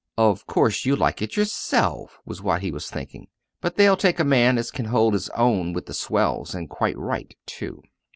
"Of course you'd like it yourself!" was what he was thinking. "But they'll take a man as can hold his own with the swells and quite right too!"